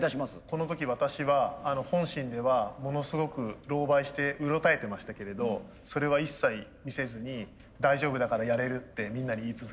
この時私は本心ではものすごくろうばいしてうろたえてましたけれどそれは一切見せずに「大丈夫だからやれる」ってみんなに言い続けました。